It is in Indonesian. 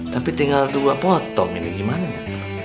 tapi tinggal dua potong ini gimana